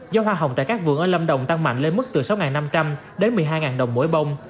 giá hoa hồng tại các vườn ở lâm đồng tăng mạnh lên mức từ sáu năm trăm linh đến một mươi hai đồng mỗi bông